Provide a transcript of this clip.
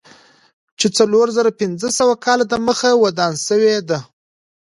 چې څلور زره پنځه سوه کاله دمخه ودان شوی دی.